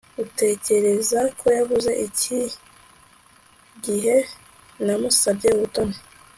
Utekereza ko yavuze iki igihe namusabye ubutoni